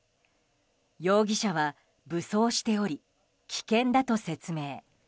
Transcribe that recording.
容疑者は武装しており危険だと説明。